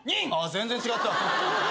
全然違った。